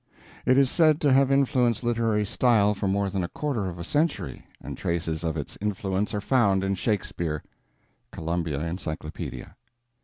It is said to have influenced literary style for more than a quarter of a century, and traces of its influence are found in Shakespeare. (Columbia Encyclopedia).